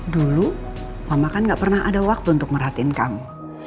dulu mama kan gak pernah ada waktu untuk merhatiin kamu